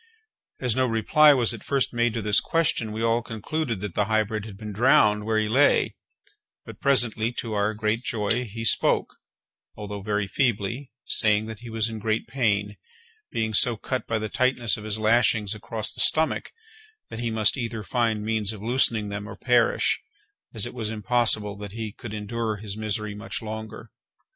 As no reply was at first made to this question, we all concluded that the hybrid had been drowned where he lay; but presently, to our great joy, he spoke, although very feebly, saying that he was in great pain, being so cut by the tightness of his lashings across the stomach, that he must either find means of loosening them or perish, as it was impossible that he could endure his misery much longer.